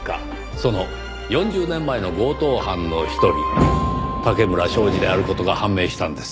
その４０年前の強盗犯の一人竹村彰二である事が判明したんです。